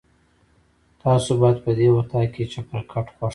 تاسو باید په دې اطاق کې چپرکټ خوښ کړئ.